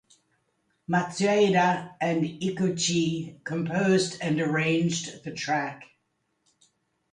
Matsueda and Eguchi composed and arranged the track.